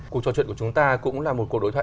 cuộc trò chuyện của chúng ta cũng là một cuộc đối thoại